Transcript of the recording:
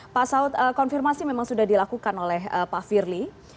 pak saud konfirmasi memang sudah dilakukan oleh pak firly